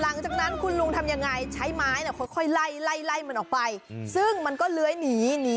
หลังจากนั้นคุณลุงทำยังไงใช้ไม้หล่ายไหล้ออกไปซึ่งมันก็เหลื้อนิ